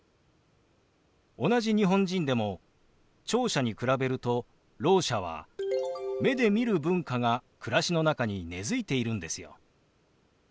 同じ日本人でも聴者に比べるとろう者は目で見る文化が暮らしの中に根づいているんですよ。